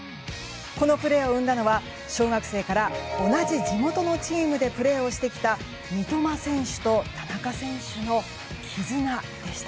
このプレーを生んだのは小学生から同じ地元のチームでプレーをしてきた三笘選手と田中選手の絆でした。